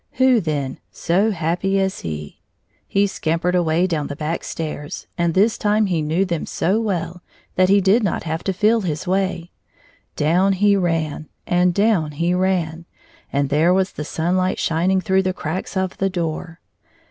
Who then so happy as he ? He scamp ered away down the back stairs, and this time he 9+ knew them so well that he did not have to feel his way, Down he ran and down he ran, and there was the sunlight shining through the cracks of the door.